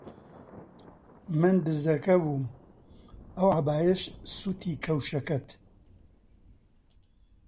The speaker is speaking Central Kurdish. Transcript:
من دزەکە بووم، ئەم عەبایەش سووتی کەوشەکەت